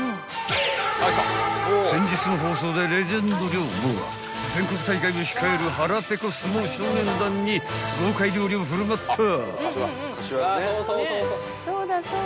［先日の放送でレジェンド寮母は全国大会を控える腹ぺこ相撲少年団に豪快料理を振る舞った］